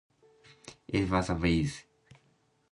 It was a breeze.